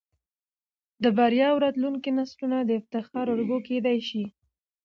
د بريا او راتلونکو نسلونه د افتخار الګو کېدى شي.